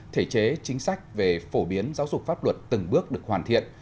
thể chế chính sách về phổ biến giáo dục pháp luật từng bước được hoàn thiện